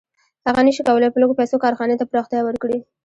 هغه نشي کولی په لږو پیسو کارخانې ته پراختیا ورکړي